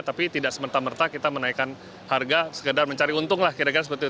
tapi tidak semerta merta kita menaikan harga sekedar mencari untung lah kira kira seperti itu